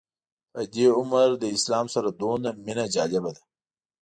په دې عمر له اسلام سره دومره مینه جالبه ده.